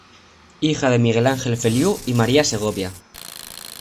Hija de Miguel Angel Feliú y María Segovia.